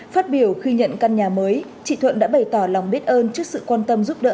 phát biểu khi nhận căn nhà mới chị thuận đã bày tỏ lòng biết ơn trước sự quan tâm giúp đỡ